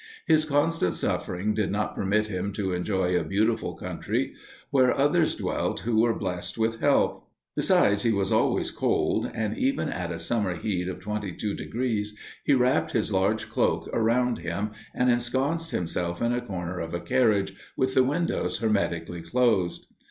His constant suffering did not permit him to enjoy a beautiful country, where others dwelt who were blessed with health. Besides, he was always cold, and even at a summer heat of twenty two degrees he wrapped his large cloak around him, and ensconced himself in a corner of a carriage, with the windows hermetically closed.